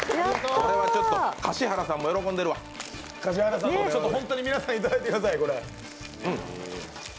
これは、かしはらさんも喜んでるわ本当に皆さんいただいてください。